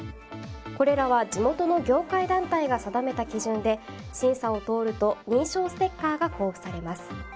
これらは地元の業界団体が定めた基準で審査を通ると認証ステッカーが交付されます。